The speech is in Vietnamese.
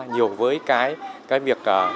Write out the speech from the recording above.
nhiều với cái việc